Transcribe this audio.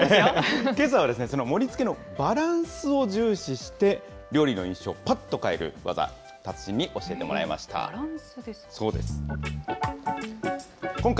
けさはその盛りつけのバランスを重視して、料理の印象をぱっと変える技、達人に教えてもらいバランスですか。